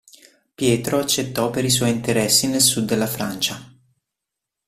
Pietro accettò per i suoi interessi nel sud della Francia.